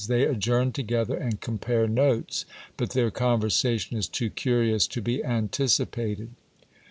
They adjourn together, and compare notes ; but their J conversation is too curious to be anticipated.